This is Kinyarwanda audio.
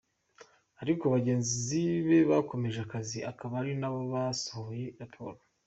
Ariko bagenzi be bakomeje akazi, akaba ari bo basohoye raporo.